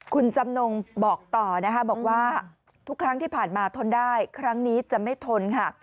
คุณจำนงบอกต่อนะคะบอกว่าทุกครั้งที่ผ่านมาทนได้ครั้งนี้จะไม่ทนค่ะ